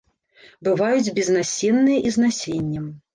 Бываюць безнасенныя і з насеннем.